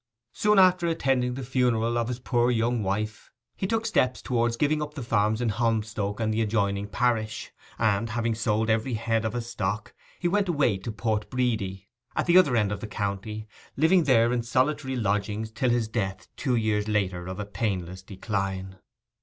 Soon after attending the funeral of his poor young wife he took steps towards giving up the farms in Holmstoke and the adjoining parish, and, having sold every head of his stock, he went away to Port Bredy, at the other end of the county, living there in solitary lodgings till his death two years later of a painless decline.